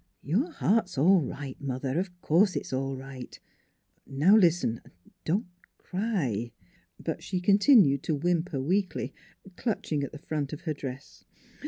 " Your heart's all right, mother of course, it's all right. Now, listen. ... Don't cry!" But she continued to whimper weakly, clutching at the front of her dress.